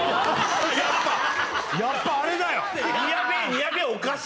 やっぱやっぱあれだよ。